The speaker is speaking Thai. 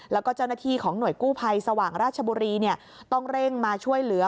แล้วก็เจ้าหน้าที่ของหน่วยกู้ภัยสว่างราชบุรีต้องเร่งมาช่วยเหลือ